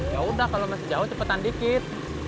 ya udah kalau masih jauh cepetan dikit